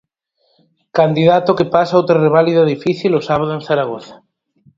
Candidato que pasa outra reválida difícil o sábado en Zaragoza.